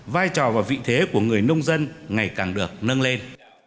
vai trò và vị thế của người nông dân ngày càng được nâng lên